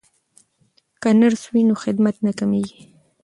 که نرس وي نو خدمت نه کمیږي.